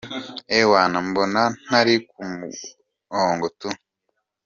ewana mbona ntari ku murongo tu.